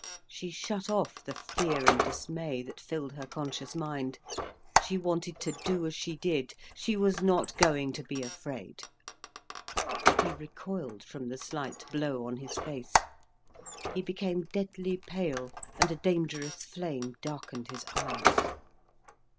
She shut off the fear and dismay that filled her conscious mind. She wanted to do as she did, she was not going to be afraid. He recoiled from the slight blow on his face. He became deadly pale, and a dangerous flame darkened his eyes.